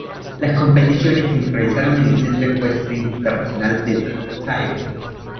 Las competiciones se realizaron en el Centro Ecuestre Internacional de Tryon.